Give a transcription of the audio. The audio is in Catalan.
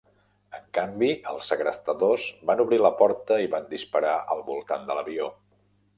En canvi, els segrestadors van obrir la porta i van disparar al voltant de l'avió.